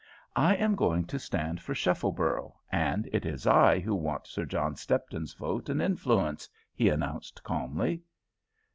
"I am going to stand for Shuffleborough, and it is I who want Sir John Stepton's vote and influence," he announced, calmly.